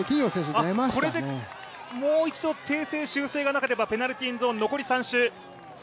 これでもう一度訂正、修正がなければペナルティーゾーン、残り３周。